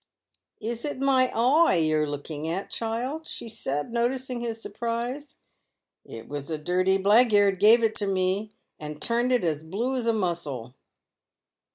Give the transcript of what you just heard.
"Is it my oieye you're looking at, child?" she said, noticing his surprise. " It was a dirtie blackgeyrd gave it me, and turned it as blue as a mussel."